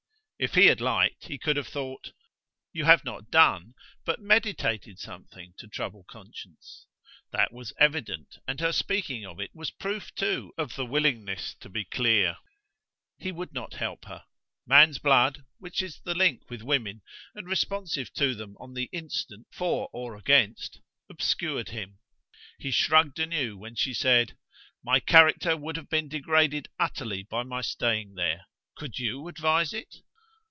If he had liked he could have thought: "You have not done but meditated something to trouble conscience." That was evident, and her speaking of it was proof too of the willingness to be dear. He would not help her. Man's blood, which is the link with women and responsive to them on the instant for or against, obscured him. He shrugged anew when she said: "My character would have been degraded utterly by my staying there. Could you advise it?"